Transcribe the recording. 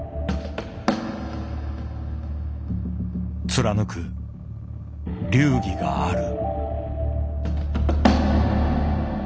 貫く流儀がある。